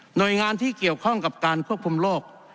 โดยงานที่เกี่ยวข้องกับการควบคุมโรค